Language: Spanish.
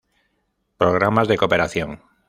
Programas de Cooperación.